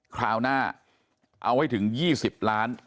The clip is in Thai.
คราวหน้าเอาให้ถึง๒๐ล้าน